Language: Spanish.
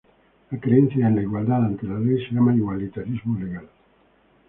La creencia en la igualdad ante la ley se llama igualitarismo legal.